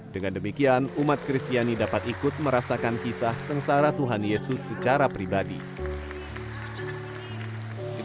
dengan demikian umat kristiani dapat ikut merasakan kisah sengsara tuhan yesus secara pribadi